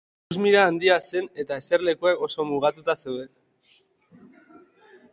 Ikusmira handia zen eta eserlekuak oso mugatuta zeuden.